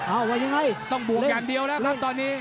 ว่ายังไงต้องบวกอย่างเดียวแล้วครับตอนนี้